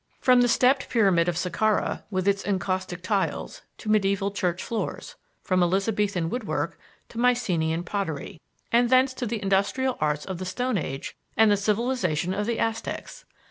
From the stepped pyramid of Sakkara with its encaustic tiles to medieval church floors; from Elizabethan woodwork to Mycenean pottery, and thence to the industrial arts of the Stone Age and the civilization of the Aztecs.